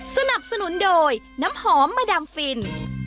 สนับสนุนโดยน้ำหอมมาดามฟิน